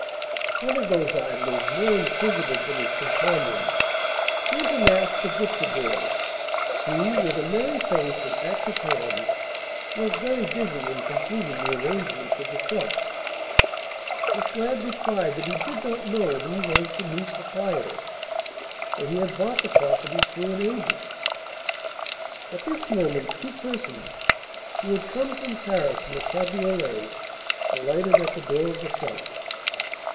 One of those idlers, more inquisitive than his companions, went and asked the butcher boy, who, with a merry face and active hands, was very busy in completing the arrangements of the shop. This lad replied that he did not know who was the new proprietor, for he had bought the property through an agent. At this moment two persons, who had come from Paris in a cabriolet, alighted at the door of the shop.